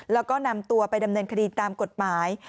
แล้วก็นำตัวไปดำเนินคดีตามกฎหมาย